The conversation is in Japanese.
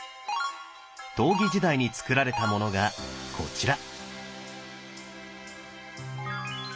東魏時代につくられたものがこちら。